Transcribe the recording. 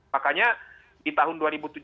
makanya di tahun dua ribu tujuh belas